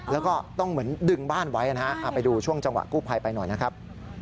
แล้วก็ต้องเหมือนดึงบ้านไว้นะฮะเอาไปดูช่วงจังหวะกู้ภัยไปหน่อยนะครับ